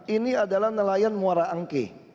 ini adalah nelayan muara angke